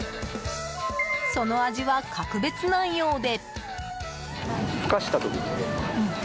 その味は格別なようで。